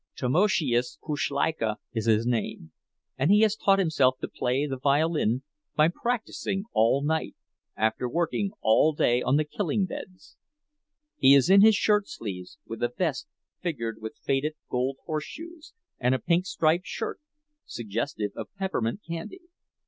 Tamoszius Kuszleika is his name, and he has taught himself to play the violin by practicing all night, after working all day on the "killing beds." He is in his shirt sleeves, with a vest figured with faded gold horseshoes, and a pink striped shirt, suggestive of peppermint candy.